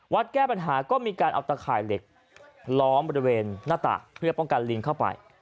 แก้ปัญหาก็มีการเอาตะข่ายเหล็กล้อมบริเวณหน้าต่างเพื่อป้องกันลิงเข้าไป